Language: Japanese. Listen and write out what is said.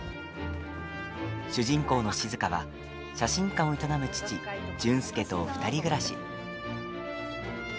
主人公の静は写真館を営む父純介と２人暮らし。